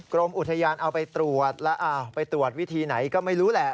กรมอุทยานเอาไปตรวจแล้วไปตรวจวิธีไหนก็ไม่รู้แหละ